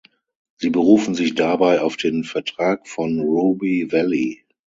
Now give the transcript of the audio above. Sie berufen sich dabei auf den „Vertrag von Ruby Valley“.